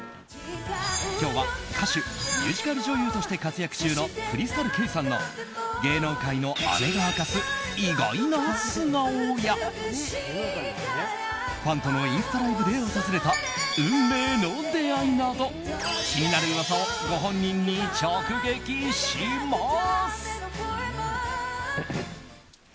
今日は、歌手ミュージカル女優として活躍中のＣｒｙｓｔａｌＫａｙさんの芸能界の姉が明かす意外な素顔やファンとのインスタライブで訪れた運命の出会いなど気になる噂をご本人に直撃します！